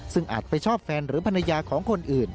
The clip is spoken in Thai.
ซึ่งอาจไปชอบแฟนหรือภรรยาของคนอื่น